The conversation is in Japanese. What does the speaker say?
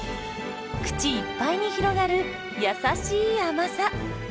口いっぱいに広がる優しい甘さ。